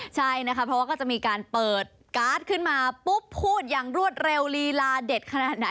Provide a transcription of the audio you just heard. ใช่นะคะเพราะว่าก็จะมีการเปิดการ์ดขึ้นมาปุ๊บพูดอย่างรวดเร็วลีลาเด็ดขนาดไหน